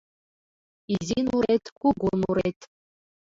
Изи нурет, кугу нурет —